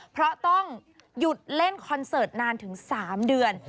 เพราะต้องหยุดเล่นคอนเสิร์ตนานถึง๓เดือน